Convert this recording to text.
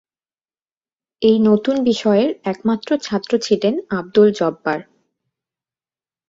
এই নতুন বিষয়ের একমাত্র ছাত্র ছিলেন আবদুল জব্বার।